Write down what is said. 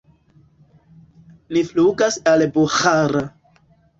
Ni flugas al Buĥara.